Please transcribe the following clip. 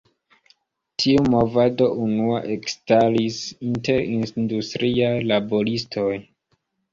Tiu movado unua ekstaris inter industriaj laboristoj.